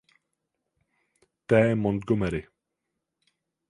T. Montgomery.